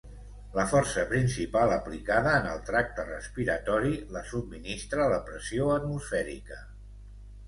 La força principal aplicada en el tracte respiratori la subministra la pressió atmosfèrica.